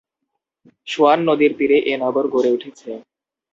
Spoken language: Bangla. সোয়ান নদীর তীরে এ নগর গড়ে উঠেছে।